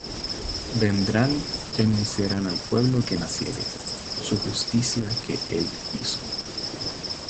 Vendrán, y anunciarán al pueblo que naciere, Su justicia que él hizo.